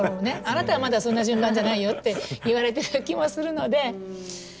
あなたはまだそんな順番じゃないよって言われてる気もするので。